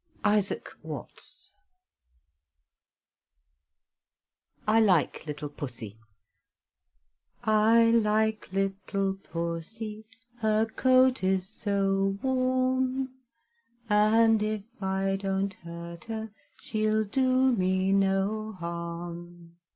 ISAAC WATTS I LIKE LITTLE PUSSY I like little Pussy, Her coat is so warm; And if I don't hurt her She'll do me no harm.